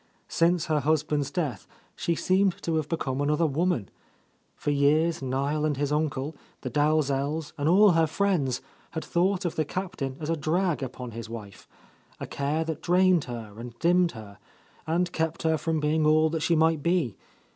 Since her husband's death she seemed to have be come another woman, For years Niel and his uncle, the Dalzells and all her friends, had thought of the Captain as a drag upon his wife; a care that drained her and dimmed her and kept her from being all that she might be.